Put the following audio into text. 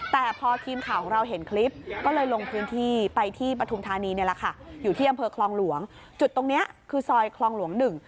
แต่พอทีมข่าวของเราเห็นคลิปก็เลยลงพื้นที่ไปที่ปฐุมธานีนี่แหละค่ะอยู่ที่อำเภอคลองหลวงจุดตรงนี้คือซอยคลองหลวง๑